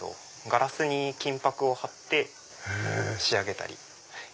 ガラスに金ぱくを張って仕上げたり。